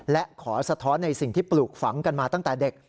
และขอสะท้อนในสิ่งที่ปลูกฝังกันมาตั้งแต่เด็ก